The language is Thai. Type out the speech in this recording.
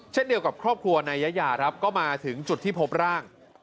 เช่นเดียวกับครอบครัวนายยาครับก็มาถึงจุดที่พบร่าง